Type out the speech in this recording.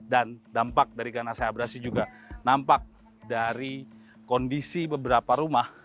dan dampak dari ganasnya abrasi juga nampak dari kondisi beberapa rumah